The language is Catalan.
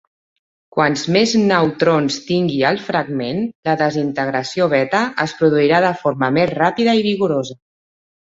Quants més neutrons tingui el fragment, la desintegració beta es produirà de forma més ràpida i vigorosa.